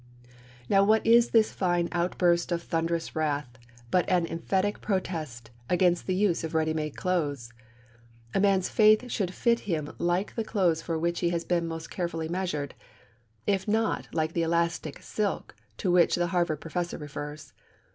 Now what is this fine outburst of thunderous wrath but an emphatic protest against the use of ready made clothes? A man's faith should fit him like the clothes for which he has been most carefully measured, if not like the elastic silk to which the Harvard professor refers.